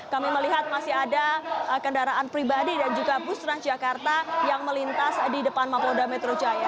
kami melihat masih ada kendaraan pribadi dan juga bus transjakarta yang melintas di depan mapolda metro jaya